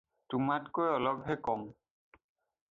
তোমাতকৈ অলপহে কম।